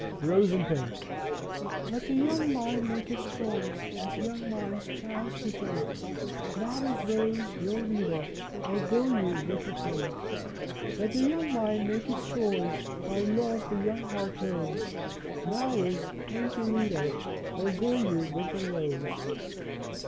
Rose and Pink. ft Let the young mind make its choice, As young minds chance to think ; Now is Rose your leader, Or go you with the Pink ? Let the young mind make its choice By laws the young heart knows. Now is Pink your leader Or go you with the Rose